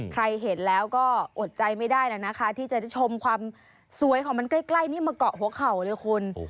ใครเห็นแล้วก็อดใจไม่ได้แล้วนะคะที่จะชมความสวยของมันใกล้นี่มาเกาะหัวเข่าเลยคุณ